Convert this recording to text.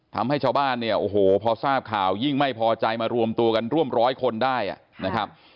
ทำให้ชาวบ้านเนี่ยโอ้โหพอทราบข่าวยิ่งไม่พอใจมารวมตัวกันร่วมร้อยคนได้นะครับ